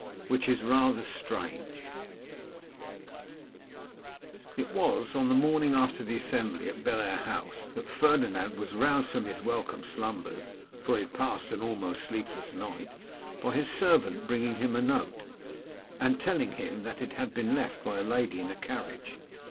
Which Is Rather Strange. IT WAS on the morning after the assembly at Bellair House that Ferdinand was roused from his welcome slumbers, for he had passed an almost sleepless night, by his servant bringing him a note, and telling him that it had been left by a lady in a carriage.